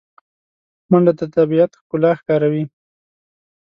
منډه د طبیعت ښکلا ښکاروي